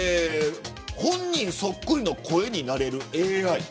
本人そっくりの声になれるＡＩ。